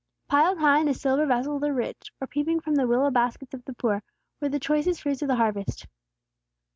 Piled high in the silver vessels of the rich, or peeping from the willow baskets of the poor, were the choicest fruits of the harvest.